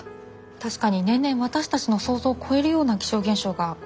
確かに年々私たちの想像を超えるような気象現象が起きていますもんね。